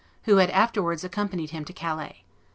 who had afterwards accompanied him to Calais.